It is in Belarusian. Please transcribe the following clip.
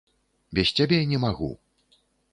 Без цябе не магу!